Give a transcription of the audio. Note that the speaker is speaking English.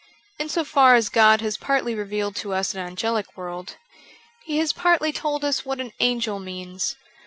In so far as God has partly revealed to us an angelic world, He has partly told us what an angel means.